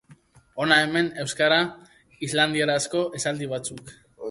Hona hemen euskara-islandierazko esaldi batzuk.